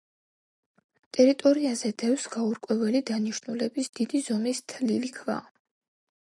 ტერიტორიაზე დევს გაურკვეველი დანიშნულების დიდი ზომის თლილი ქვა.